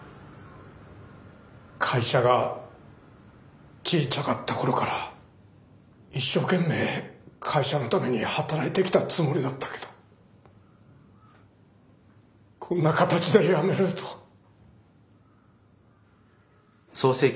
会社がちいちゃかった頃から一生懸命会社のために働いてきたつもりだったけどこんな形で辞めるとは。